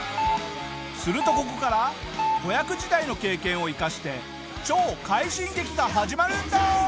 するとここから子役時代の経験を生かして超快進撃が始まるんだ！